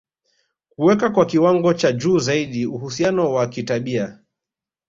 kuweka kwa kiwango cha juu zaidi uhusiano wa kitabia